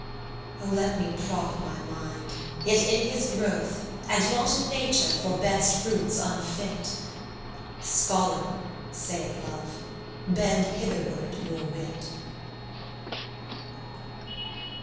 Oh let me prop my mind, yet in his growth, And not in Nature, for best fruits unfit: "Scholar," saith Love, "bend hitherward your wit."